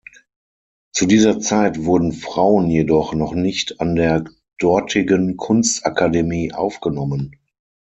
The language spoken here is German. Zu dieser Zeit wurden Frauen jedoch noch nicht an der dortigen Kunstakademie aufgenommen.